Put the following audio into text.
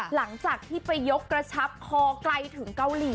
หลังจากที่ไปยกกระชับคอไกลถึงเกาหลี